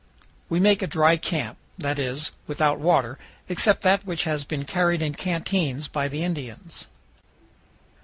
We make a dry camp, that is, without water, except that which has been carried in canteens by the Indians.